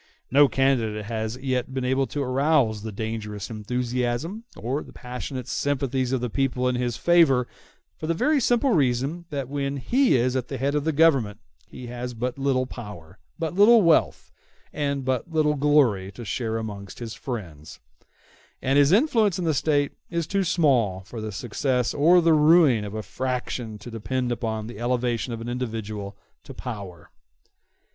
No candidate has as yet been able to arouse the dangerous enthusiasm or the passionate sympathies of the people in his favor, for the very simple reason that when he is at the head of the Government he has but little power, but little wealth, and but little glory to share amongst his friends; and his influence in the State is too small for the success or the ruin of a faction to depend upon the elevation of an individual to power.